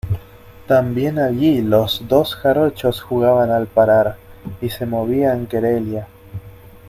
también allí los dos jarochos jugaban al parar, y se movían querella.